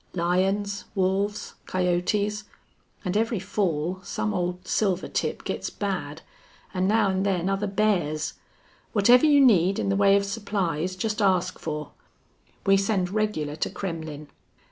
Lions, wolves, coyotes. An' every fall some ole silvertip gits bad, an' now an' then other bears. Whatever you need in the way of supplies jest ask fer. We send regular to Kremmlin'.